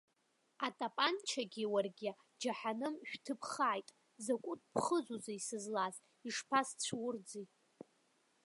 Атапанчагьы уаргьы џьаҳаным шәҭыԥхааит, закәытә ԥхыӡузеи сызлаз, ишԥасцәурӡи.